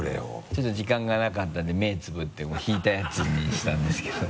ちょっと時間がなかったんで目つぶって引いたやつにしたんですけど。